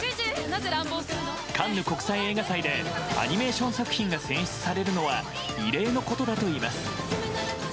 カンヌ国際映画祭でアニメーション作品が選出されるのは異例のことだといいます。